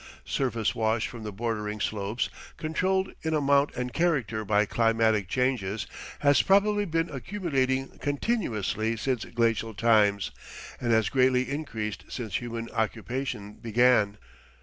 "Surface wash from the bordering slopes, controlled in amount and character by climatic changes, has probably been accumulating continuously since glacial times, and has greatly increased since human occupation began."